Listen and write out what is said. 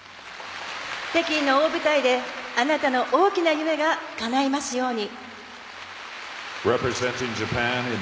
北京の大舞台であなたの大きな夢がかないますように。